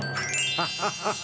ハハハハ！